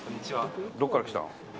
どこから来たの？